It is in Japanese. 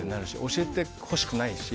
教えてほしくないし。